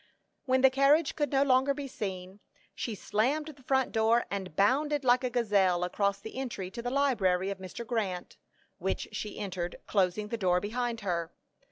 When the carriage could no longer be seen, she slammed the front door, and bounded like a gazelle across the entry to the library of Mr. Grant, which she entered, closing the door behind her.